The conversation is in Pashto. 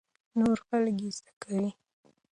نور خلک يې زده کوي.